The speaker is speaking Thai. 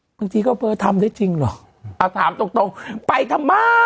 ไม่บางทีก็เบอร์ทำได้จริงหรอกเอาถามตรงไปทำไม